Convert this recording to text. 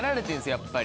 やっぱり。